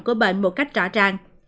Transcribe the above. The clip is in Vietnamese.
của bệnh một cách rõ ràng